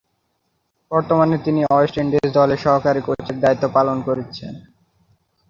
বর্তমানে তিনি West Indies দলে সহকারী কোচের দায়িত্ব পালন করছেন।